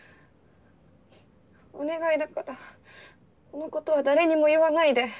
お願いだからこのことは誰にも言わないで。